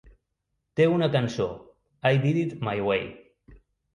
Té una cançó, I Did It My Way.